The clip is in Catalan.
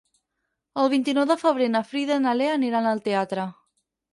El vint-i-nou de febrer na Frida i na Lea aniran al teatre.